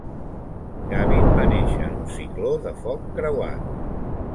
Gavin va néixer en un cicló de foc creuat.